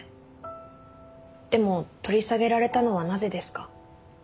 でも取り下げられたのはなぜですか？